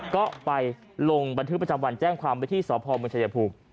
ก็ไปลงบันทึกประจำวันแจ้งความไว้ที่สพเมืองชายภูมิ